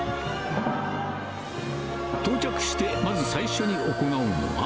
到着してまず最初に行うのは。